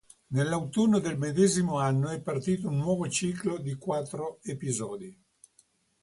Nell'autunno del medesimo anno è partito un nuovo ciclo di quattro episodi.